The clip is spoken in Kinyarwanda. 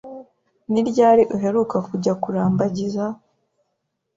Ni ryari uheruka kujya kurambagiza?